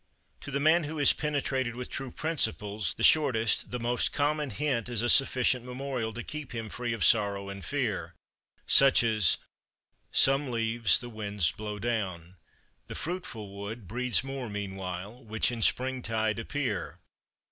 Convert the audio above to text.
34. To the man who is penetrated with true principles, the shortest, the most common hint is a sufficient memorial to keep him free of sorrow and fear. Such as: Some leaves the winds blow down: the fruitful wood Breeds more meanwhile, which in springtide appear.